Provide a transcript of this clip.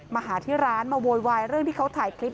มาหาที่ร้านมาโวยวายเรื่องที่เขาถ่ายคลิป